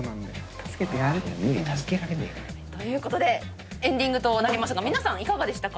助けられねえよ。ということでエンディングとなりますが皆さんいかがでしたか？